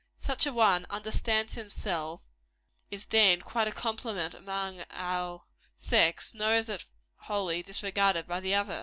Such an one "understands himself," is deemed quite a compliment among our sex nor is it wholly disregarded by the other.